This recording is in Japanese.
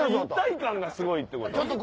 一体感がすごいってこと。